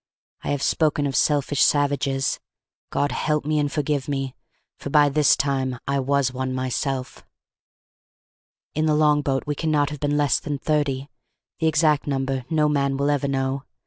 I have spoken of selfish savages. God help me and forgive me! For by this time I was one myself. In the long boat we cannot have been less than thirty; the exact number no man will ever know.